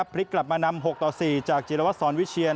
พลิกกลับมานำ๖ต่อ๔จากจิรวัตรสอนวิเชียน